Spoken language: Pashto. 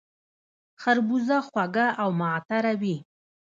خربوزه خوږه او معطره وي